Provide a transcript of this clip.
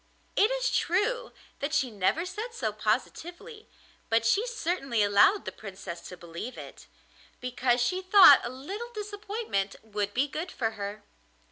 It is true that she never said so positively, but she certainly allowed the Princess to believe it, because she thought a little disappointment would be good for her.